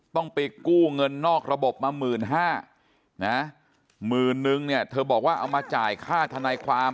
ต้องไปกู้เงินนอกระบบมา๑๕๐๐๐บาทเธอบอกว่าเอามาจ่ายค่าธนายความ